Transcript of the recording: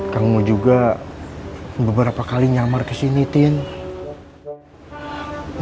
kamu juga beberapa kali nyamar kesini tin